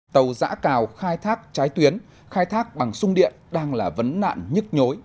tàu giã cào khai thác trái tuyến khai thác bằng sung điện đang là vấn nạn nhức nhối